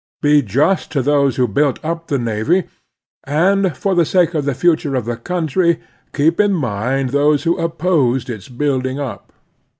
Be just to those who built up the navy, and, for the sake of the future of the cotmtry, keep in mind those who opposed its building up.